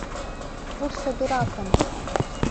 Вурсо дуракым...